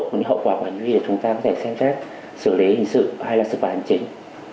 một hậu quả của hành vi là chúng ta có thể xem chắc xử lý hình sự hay là sự phản chính